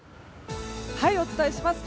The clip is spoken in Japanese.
お伝えします。